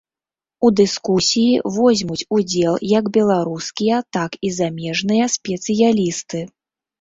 У дыскусіі возьмуць удзел як беларускія, так і замежныя спецыялісты.